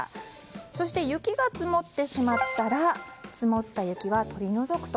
そして、雪が積もってしまったら積もった雪は取り除くと。